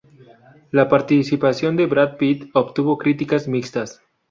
La participación de Brad Pitt obtuvo críticas mixtas.